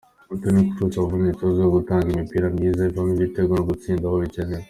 Toni Kroos wavunitse azwiho gutanga imipira myiza ivamo ibitego no gutsinda aho bikenewe.